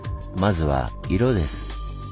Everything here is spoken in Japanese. まずは色です。